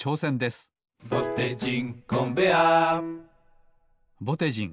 「ぼてじんコンベアー」ぼてじん